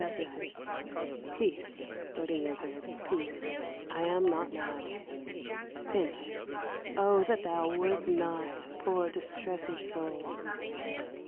E._ Peace, doting wizard, peace; I am not mad. Pinch. O that thou wert not, poor distressed soul!